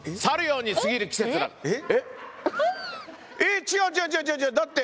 去るようにすぎる季節だ。